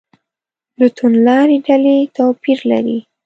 له توندلارې ډلې توپیر لري.